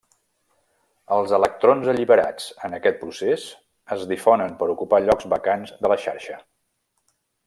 Els electrons alliberats en aquest procés es difonen per ocupar llocs vacants de la xarxa.